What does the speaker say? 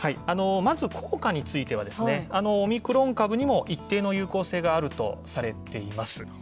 まず効果については、オミクロン株にも一定の有効性があるとされています。